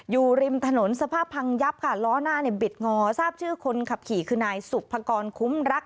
อยู่ริมถนนสภาพพังยับค่ะล้อหน้าเนี่ยบิดงอทราบชื่อคนขับขี่คือนายสุภกรคุ้มรัก